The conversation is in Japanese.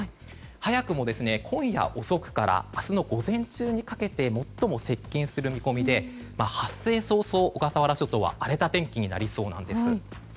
早くも今夜遅くから明日の午前中にかけて最も接近する見込みで発生早々、小笠原諸島は荒れた天気になりそうです。